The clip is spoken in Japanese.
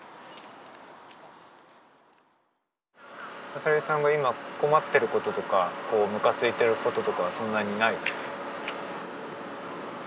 浅利さんが今困ってることとかこうむかついてることとかはそんなにない？